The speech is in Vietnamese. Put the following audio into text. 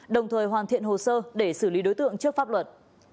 đồng thời hoàn thiện hồ sơ để xử lý đối tượng trước pháp luật